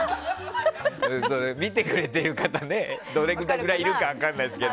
見てくれている方がどれぐらいいるか分からないけど。